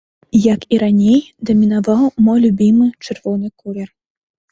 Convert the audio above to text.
Як і раней, дамінаваў мой любімы чырвоны колер.